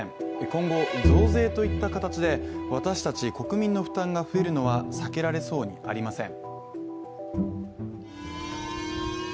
今後、増税といった形で私たち国民の負担が増えるのは避けられそうにありません。